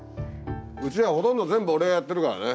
うちらはほとんど全部俺がやってるからね。